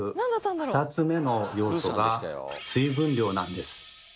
２つ目の要素が水分量なんです。